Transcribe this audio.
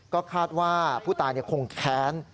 ก็คาดว่าผู้ตายคงแค้น